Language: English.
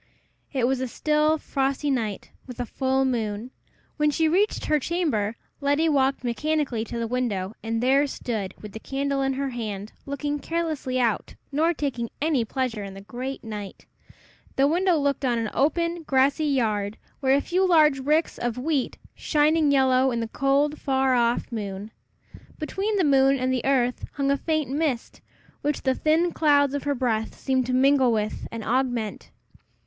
It was a still, frosty night, with a full moon. When she reached her chamber, Letty walked mechanically to the window, and there stood, with the candle in her hand, looking carelessly out, nor taking any pleasure in the great night. The window looked on an open, grassy yard, where were a few large ricks of wheat, shining yellow in the cold, far off moon. Between the moon and the earth hung a faint mist, which the thin clouds of her breath seemed to mingle with and augment.